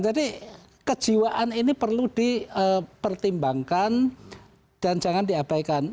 jadi kejiwaan ini perlu dipertimbangkan dan jangan diabaikan